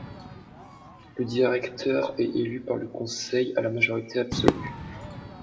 Le directeur est élu par le conseil à la majorité absolue.